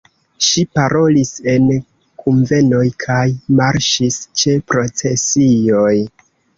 Ŝi parolis en kunvenoj kaj marŝis ĉe procesioj.